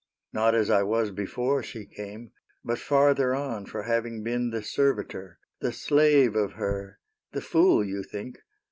'' Not as I was before she came But farther on for having been The servitor, the slave of her — The fool, you think.